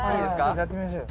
「やってみましょうよ」